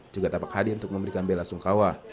juga tampak hadir untuk memberikan bela sungkawa